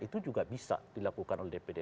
itu juga bisa dilakukan oleh dpd